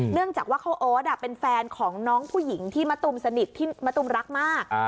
เนื่องจากว่าเขาโอ๊ตเป็นแฟนของน้องผู้หญิงที่มะตูมสนิทพี่มะตูมรักมาก